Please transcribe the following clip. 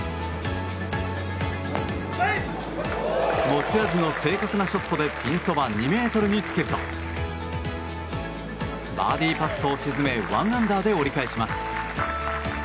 持ち味の正確なショットでピンそば２ｍにつけるとバーディーパットを沈め１アンダーで折り返します。